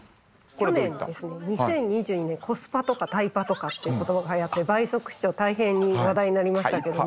去年ですね２０２２年コスパとかタイパとかっていう言葉がはやって倍速視聴大変に話題になりましたけども。